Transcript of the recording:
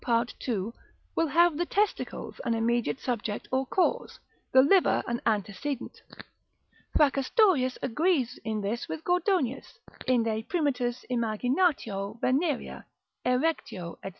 part. 2. will have the testicles an immediate subject or cause, the liver an antecedent. Fracastorius agrees in this with Gordonius, inde primitus imaginatio venerea, erectio, &c.